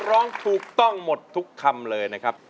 ร้องถูกต้องหมดทุกคำเลยนะครับ